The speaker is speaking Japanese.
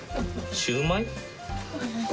シューマイね。